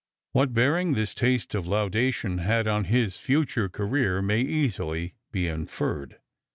What bearing this taste of laudation had on his future career may easily be inferred.